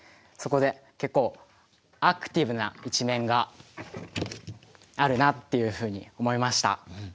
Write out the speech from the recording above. そこで結構アクティブな一面があるなっていうふうに思いました。